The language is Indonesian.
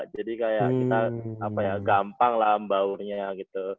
jadi kayak kita gampang lah membaurnya gitu